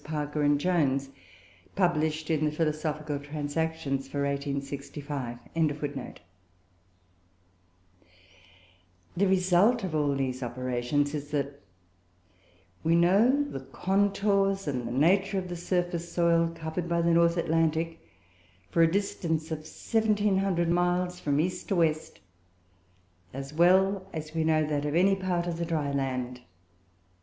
Parker and Jones, published in the Philosophical Transactions for 1865.] The result of all these operations is, that we know the contours and the nature of the surface soil covered by the North Atlantic for a distance of 1,700 miles from east to west, as well as we know that of any part of the dry land.